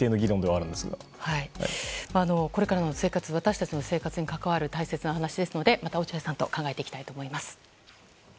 これからの生活私たちの生活に関わるお話ですのでまた落合さんと考えていきたいと思います。